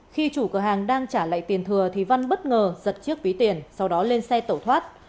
khi chủ cửa hàng đang trả lại tiền thừa thì văn bất ngờ giật chiếc ví tiền sau đó lên xe tẩu thoát